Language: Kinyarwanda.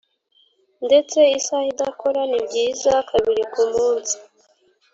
ndetse isaha idakora nibyiza kabiri kumunsi